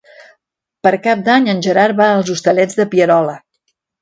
Per Cap d'Any en Gerard va als Hostalets de Pierola.